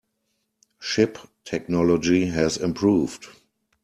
Ship technology has improved.